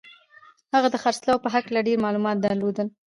هغه د خرڅلاو په هکله ډېر معلومات درلودل